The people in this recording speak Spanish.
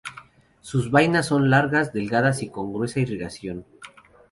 Sus vainas son largas, delgadas y con gruesa irrigación.